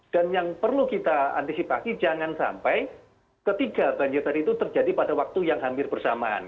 dan yang perlu kita antisipasi jangan sampai ketiga banjir tadi itu terjadi pada waktu yang hampir bersamaan